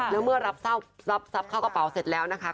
แล้วเมื่อรับทรัพย์เข้ากระเป๋าเสร็จแล้วนะคะ